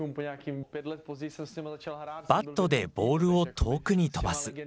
バットでボールを遠くに飛ばす。